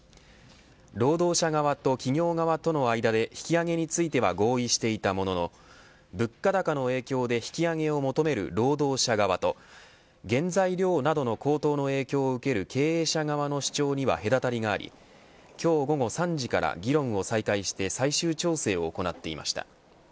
労働者側と企業側との間で引き上げについては合意していたものの物価高の影響で引き上げを求める労働者側と原材料などの高騰の影響を受ける経営者側の主張には隔たりがあり今日午後３時から議論を再開して最終調整を行っていました。